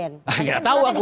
nggak tahu aku